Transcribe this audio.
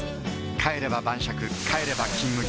帰れば晩酌帰れば「金麦」